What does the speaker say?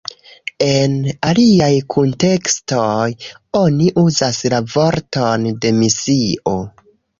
En aliaj kuntekstoj oni uzas la vorton "demisio".